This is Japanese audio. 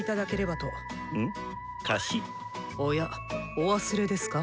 おやお忘れですか？